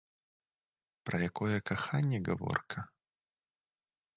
Пра якое каханне гаворка?